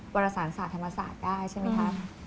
วรสารศาสตร์ธรรมศาสตร์ได้ใช่ไหมคะ